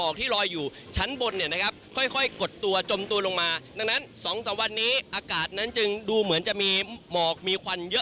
กรุ่นโตรแบบนี้นะครับ